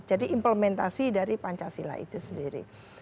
implementasi dari pancasila itu sendiri